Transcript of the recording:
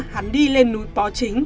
hắn đi lên núi bò chính